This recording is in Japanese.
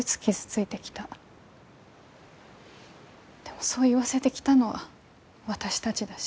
でもそう言わせてきたのは私たちだし。